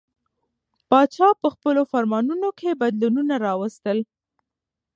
پاچا به په خپلو فرمانونو کې بدلونونه راوستل.